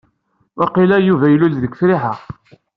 Waqila, Yuba ilul deg Friḥa.